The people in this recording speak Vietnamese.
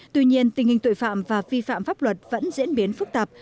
tuy nhiên tình hình tội phạm và vi phạm pháp luật vẫn diễn biến phức tạp